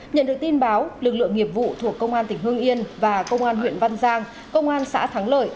nhận được tin báo lực lượng nghiệp vụ thuộc công an tỉnh hương yên và công an huyện văn giang công an xã thắng lợi